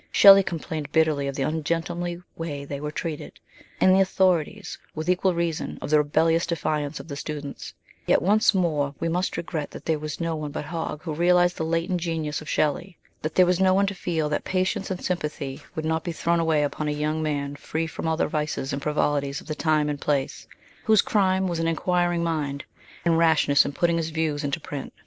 Shellev complained bitterly of the uugentlemanly way they were treated, and the authorities, with equal reason, of the rebellious de fiance of the students ; yet once more we must regret that there was no one but Hogg who realised the latent genius of Shelley, that there was no one to feel that patience and sympathy would not be thrown away upon a young man free from all the vices and frivoli ties of the time and place, whose crime was an inquir ing mind, and rashness in putting his views into print.